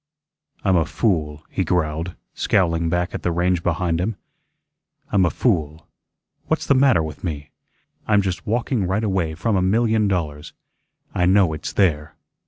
"I'm a fool," he growled, scowling back at the range behind him. "I'm a fool. What's the matter with me? I'm just walking right away from a million dollars. I know it's there.